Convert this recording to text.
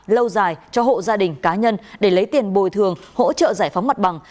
lâu dài cho hộ gia đình cá nhân để lấy tiền bồi thường hỗ trợ giải phóng mặt bằng